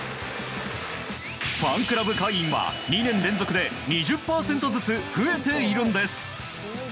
ファンクラブ会員は２年連続で２０％ずつ増えているんです。